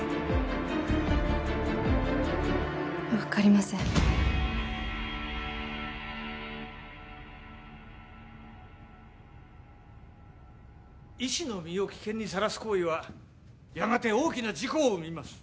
分かりません医師の身を危険にさらす行為はやがて大きな事故を生みます